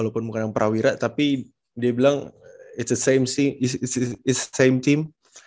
walaupun bukan yang prawira tapi dia bilang it s the same team